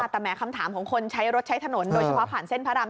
แต่แม้คำถามของคนใช้รถใช้ถนนโดยเฉพาะผ่านเส้นพระราม